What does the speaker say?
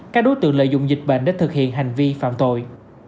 các đối tượng lợi dụng dịch bệnh để thực hiện hành vi phạm tội